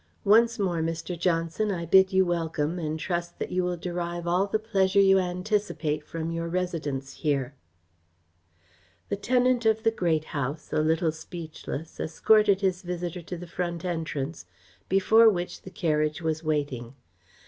Once more, Mr. Johnson, I bid you welcome and trust that you will derive all the pleasure you anticipate from your residence here." The tenant of the Great House, a little speechless, escorted his visitor to the front entrance before which the carriage was waiting.